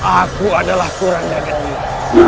aku adalah kurangnya gendera